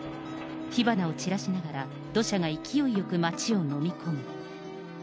火花を散らしながら、土砂が勢いよく街を飲み込む。